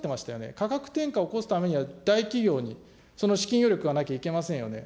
価格転嫁を起こすためには大企業にその資金余力がなきゃいけませんよね。